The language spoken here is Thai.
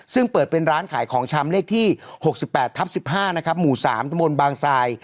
ซึ่งเปิดเป็นร้านขายของชำเลขที่หกสิบแปดทับสิบห้านะครับหมู่สามตระมวลบางทราย